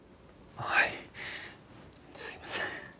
はいすいません。